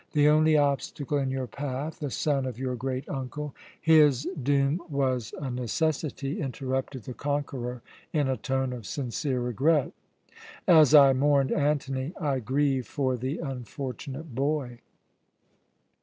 The only obstacle in your path, the son of your great uncle " "His doom was a necessity," interrupted the conqueror in a tone of sincere regret. "As I mourned Antony, I grieve for the unfortunate boy."